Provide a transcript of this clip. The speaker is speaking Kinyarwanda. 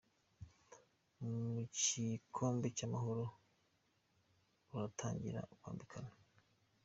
Mu gikombe cy’Amahoro ruratangira kwambikana